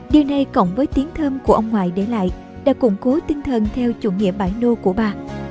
điều này cộng với tiếng thơm của ông ngoại để lại đã củng cố tinh thần theo chủ nghĩa bãi nô của bà